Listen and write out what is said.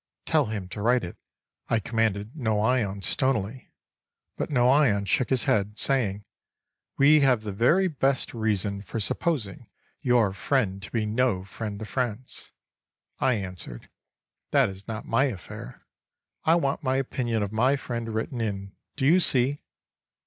—Tell him to write it," I commanded Noyon stonily. But Noyon shook his head, saying: "We have the very best reason for supposing your friend to be no friend of France." I answered: "That is not my affair. I want my opinion of my friend written in; do you see?"